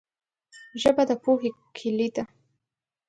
ژبه د پوهې کلي ده